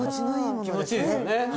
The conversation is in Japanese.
気持ちいいですよね。